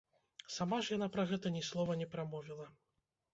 Сама ж яна пра гэта ні слова не прамовіла.